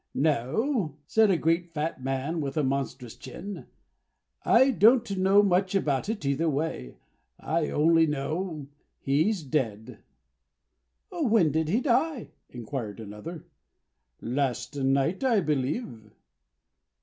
"No," said a great fat man with a monstrous chin, "I don't know much about it either way. I only know he's dead." "When did he die?" inquired another. "Last night, I believe."